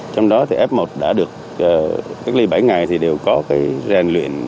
trong đó thì f một đã được cách ly bảy ngày thì đều có cái rèn luyện